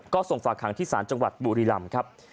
ก็ส่งฝากหางที่ศาลจังหวัดบุรีลำครับ